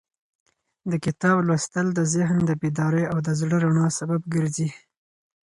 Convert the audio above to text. د کتاب لوستل د ذهن د بیدارۍ او د زړه د رڼا سبب ګرځي.